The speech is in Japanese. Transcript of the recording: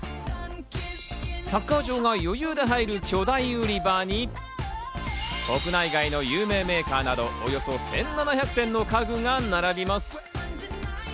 サッカー場が余裕で入る巨大売り場に、国内外の有名メーカーなど、およそ１７００点の家具が並びます。